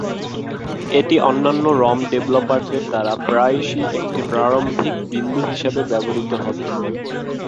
এটি অন্যান্য রম ডেভেলপারদের দ্বারা প্রায়শই একটি প্রারম্ভিক বিন্দু হিসাবে ব্যবহৃত হতো।